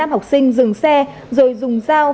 năm học sinh dừng xe rồi dùng dao